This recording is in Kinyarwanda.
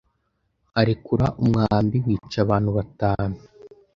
arekura umwambi, wica abantu batanu